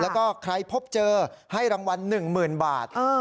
แล้วก็ใครพบเจอให้รางวัลหนึ่งหมื่นบาทเออ